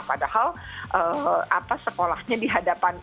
padahal sekolahnya dihadapkan